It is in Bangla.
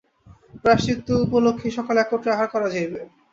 প্রায়শ্চিত্ত উপলক্ষেই সকলে একত্রে আহার করা যাইবে।